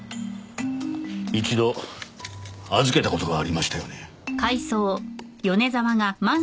一度預けた事がありましたよね。